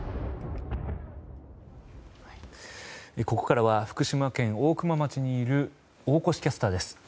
ここからは福島県大熊町にいる大越キャスターです。